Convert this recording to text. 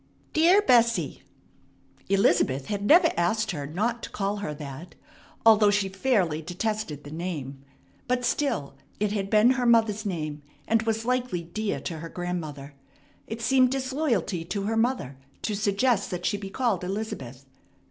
"Dear Bessie " Elizabeth had never asked her not to call her that, although she fairly detested the name. But still it had been her mother's name, and was likely dear to her grandmother. It seemed disloyalty to her mother to suggest that she be called "Elizabeth."